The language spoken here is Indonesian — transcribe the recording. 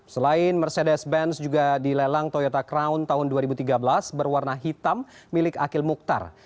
selain mercedes benz juga dilelang toyota crown tahun dua ribu tiga belas berwarna hitam milik akil mukhtar